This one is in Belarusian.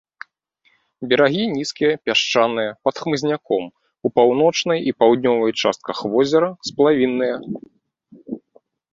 Берагі нізкія, пясчаныя, пад хмызняком, у паўночнай і паўднёвай частках возера сплавінныя.